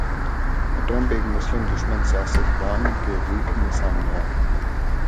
Trump ایک مسلم دشمن سیاست دان کے روپ میں سامنے آئے۔